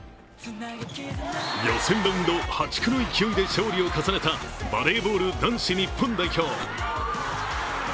予選ラウンド破竹の勢いで勝利を重ねたバレーボール男子日本代表。